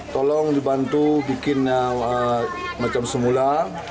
tolong dibantu bikin semula